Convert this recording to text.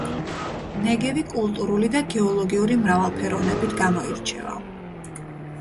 ნეგევი კულტურული და გეოლოგიური მრავალფეროვნებით გამოირჩევა.